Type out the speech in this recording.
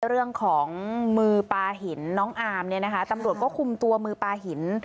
เรื่องของมือปลาหินน้องอามเนี่ยนะคะตำรวจก็คุมตัวมือปลาหิน